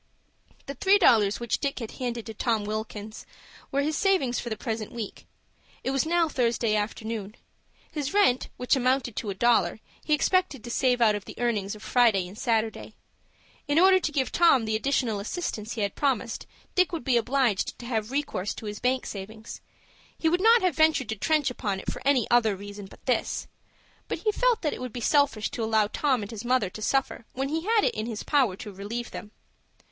The three dollars which Dick had handed to Tom Wilkins were his savings for the present week. It was now Thursday afternoon. His rent, which amounted to a dollar, he expected to save out of the earnings of Friday and Saturday. In order to give Tom the additional assistance he had promised, Dick would be obliged to have recourse to his bank savings. He would not have ventured to trench upon it for any other reason but this. But he felt that it would be selfish to allow Tom and his mother to suffer when he had it in his power to relieve them.